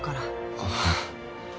ああ。